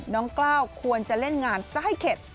น้องกล้าวควรจะเล่นงานใส่เข็ด